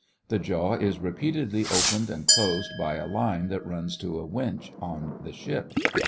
The jaw is repeatedly opened and closed by a line that runs to a winch on the ship.